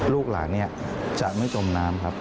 ลูกหลานจะไม่จมน้ำครับ